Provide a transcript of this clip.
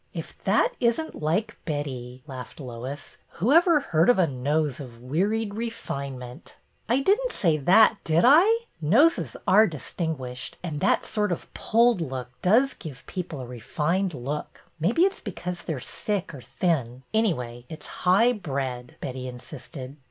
If that is n't like Betty," laughed Lois. '' Who ever heard of a nose of ' wearied refinement '!"" I did n't say that, did I ? Noses are distin guished, and that sort of pulled look does give people a refined look. Maybe it 's because they are sick or thin. Anyway, it 's highbred," Betty insisted.